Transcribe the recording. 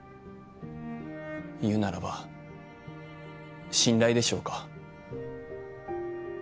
いうならば信頼でしょうか。